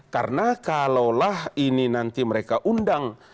karena kalaulah ini nanti mereka undang